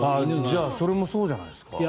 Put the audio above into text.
じゃあそれもそうじゃないですか。